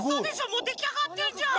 もうできあがってるじゃん！